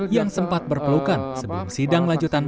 yang sempat berpelukan sebelum sidang lanjutan